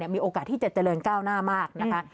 มีโอกาสที่จะเจริญก้าวหน้ามากนะคะ